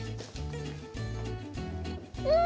うん！